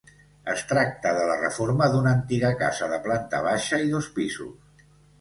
Es tracta de la reforma d'una antiga casa de planta baixa i dos pisos.